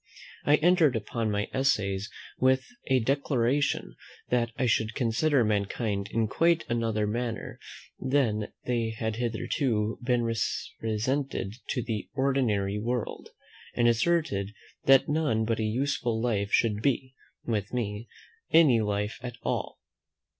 I entered upon my Essays with a declaration that I should consider mankind in quite another manner than they had hitherto been represented to the ordinary world, and asserted that none but a useful life should be, with me, any life at all.